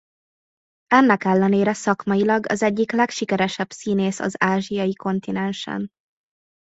Ennek ellenére szakmailag az egyik legsikeresebb színész az ázsiai kontinensen.